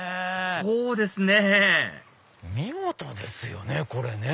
そうですね見事ですよねこれね。